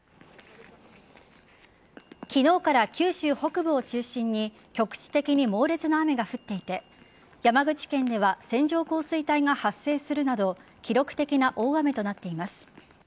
昨日から九州北部を中心に局地的に猛烈な雨が降っていて山口県では線状降水帯が発生するなど記録的な大雨となっています。